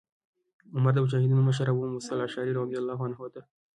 عمر د مجاهدینو مشر ابو موسی الأشعري رضي الله عنه ته